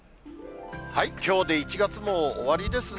きょうで１月も終わりですね。